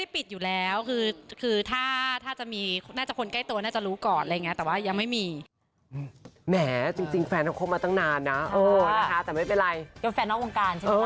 เพื่อนแปลวกันทั้งวงการเลยจริงหรือเปล่าค่ะจอย